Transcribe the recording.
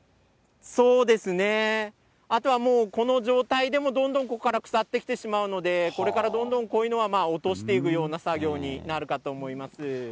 そうですね、あとはもう、この状態でも、どんどん、ここから腐ってきてしまうので、これからどんどん、こういうのは落としていくような作業になるかと思います。